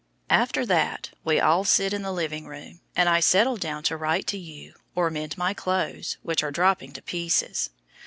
After that we all sit in the living room, and I settle down to write to you, or mend my clothes, which are dropping to pieces.